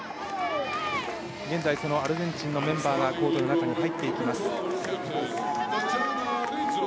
現在アルゼンチンのメンバーがコートの中に入っていきます。